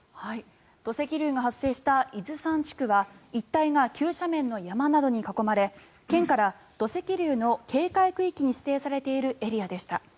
土石流が発生した伊豆山地区は一帯が急斜面の山などに囲まれ県から県の土流の警戒区域に指定されているエリアでした。